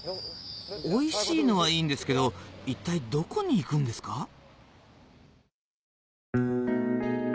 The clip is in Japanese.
おいしいのはいいんですけど一体どこに行くんですか？